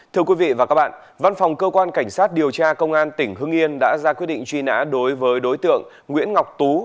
thưa quý vị và các bạn văn phòng cơ quan cảnh sát điều tra công an tỉnh hưng yên đã ra quyết định truy nã đối với đối tượng nguyễn ngọc tú